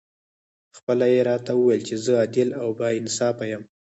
خپله یې راته وویل چې زه عادل او با انصافه یم.